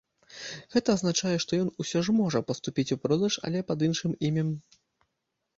Гэта азначае, што ён усё ж можа паступіць у продаж, але пад іншым імем.